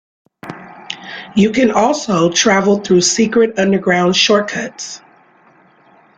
You can also travel through secret underground shortcuts.